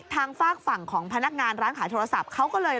ฝากฝั่งของพนักงานร้านขายโทรศัพท์เขาก็เลย